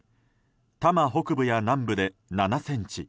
多摩北部や南部で７ｃｍ。